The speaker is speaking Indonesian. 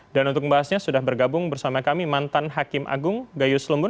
dan untuk membahasnya sudah bergabung bersama kami mantan hakim agung gayus lembun